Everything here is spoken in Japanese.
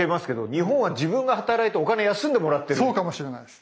そうかもしれないです。